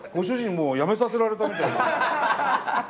もう辞めさせられたみたいな。